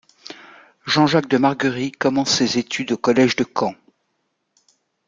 Jean-Jacques de Marguerie commence ses études au collège de Caen.